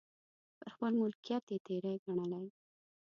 پر خپل ملکیت یې تېری ګڼلی.